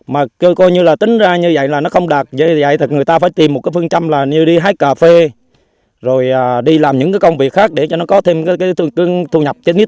mà coi như là tính ra như vậy là nó không đạt vậy thì người ta phải tìm một là như đi hái cà phê rồi đi làm những công việc khác để cho nó có thêm thu nhập